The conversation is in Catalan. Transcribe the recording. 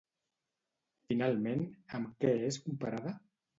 Finalment, amb què és comparada?